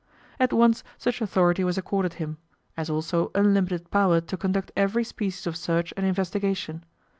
At once such authority was accorded him, as also unlimited power to conduct every species of search and investigation.